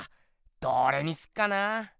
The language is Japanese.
どれにすっかなあ？